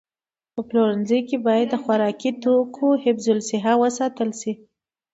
په پلورنځي کې باید د خوراکي توکو حفظ الصحه وساتل شي.